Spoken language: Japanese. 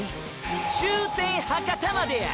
終点博多までや！！